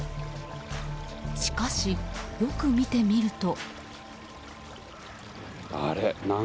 しかし、よく見てみると。